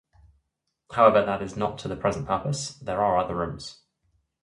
However, that is not to the present purpose — there are other rooms.